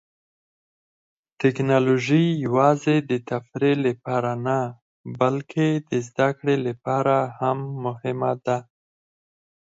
ټیکنالوژي یوازې د تفریح لپاره نه، بلکې د زده کړې لپاره هم مهمه ده.